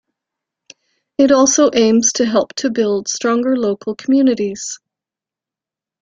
It also aims to help to build stronger local communities.